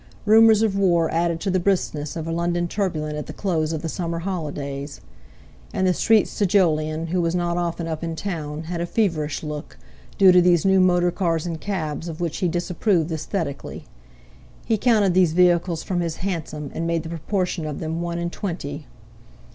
Rumours of war added to the briskness of a London turbulent at the close of the summer holidays. And the streets to Jolyon, who was not often up in town, had a feverish look, due to these new motorcars and cabs, of which he disapproved aesthetically. He counted these vehicles from his hansom, and made the proportion of them one in twenty.